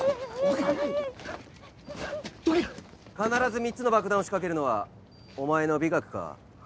必ず３つの爆弾を仕掛けるのはお前の美学か？